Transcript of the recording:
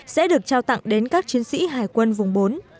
sẽ được trao tặng đến các chiến sĩ hải quân vùng bốn